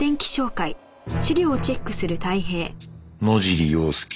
野尻要介